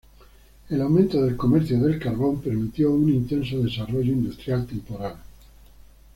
El aumento del comercio del carbón permitió un intenso desarrollo industrial temporal.